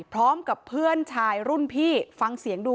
พร้อมกับเพื่อนชายรุ่นพี่ฟังเสียงดู